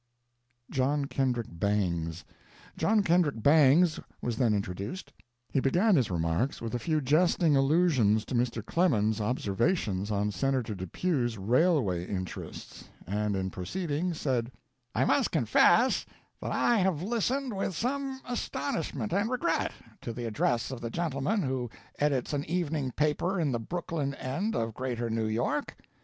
JOHN KENDRICK BANGS. John Kendrick Bangs was then introduced. He began his remarks with a few jesting allusions to Mr. Clemens's observations on Senator Depew's railway interests, and in proceeding, said: "I must confess that I have listened with some astonishment and regret to the address of the gentleman who edits an evening paper in the Brooklyn end of Greater New York.